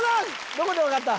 どこで分かった？